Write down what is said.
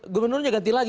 gubernurnya ganti lagi